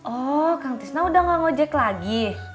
oh kang tisna udah gak ngejek lagi